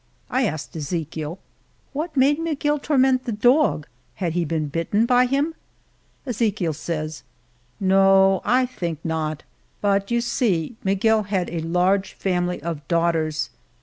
I asked Ezechiel, " What made Miguel tor ment the dog ? Had he been bitten by him ?" Ezechiel says :No ; I think not ; but you see Miguel had a large family of daughters.